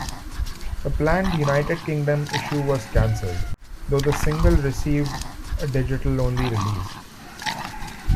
A planned United Kingdom issue was cancelled, though the single received a digital-only release.